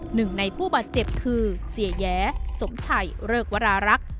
หนึ่งในผู้บาดเจ็บคือเสียแย้สมชัยเริกวรารักษ์